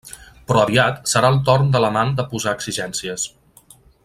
Però aviat, serà el torn de l'amant de posar exigències…